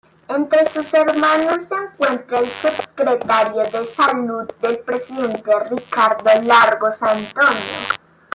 Entre sus hermanos se cuenta el subsecretario de Salud del presidente Ricardo Lagos, Antonio.